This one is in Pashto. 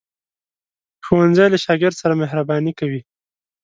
ښوونځی له شاګرد سره مهرباني کوي